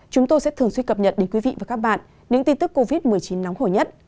chúng tôi sẽ thường xuyên cập nhật đến quý vị và các bạn những tin tức covid một mươi chín nóng hổi nhất